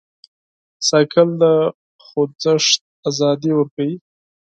بایسکل د خوځښت ازادي ورکوي.